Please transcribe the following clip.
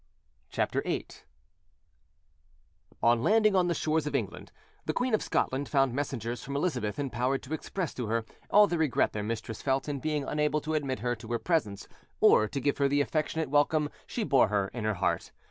CHAPTER VIII On landing on the shores of England, the Queen of Scotland found messengers from Elizabeth empowered to express to her all the regret their mistress felt in being unable to admit her to her presence, or to give her the affectionate welcome she bore her in her heart.